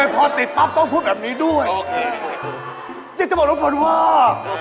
เย้จะบอกน้องเพลินว่า